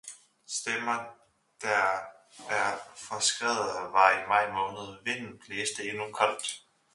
Stemmer der er forskeldet var i maj måned, vinden blæste endnu koldt